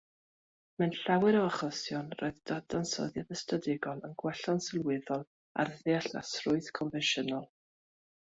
Mewn llawer o achosion roedd dadansoddiad ystadegol yn gwella'n sylweddol ar ddeallusrwydd confensiynol.